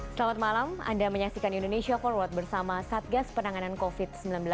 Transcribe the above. selamat malam anda menyaksikan indonesia forward bersama satgas penanganan covid sembilan belas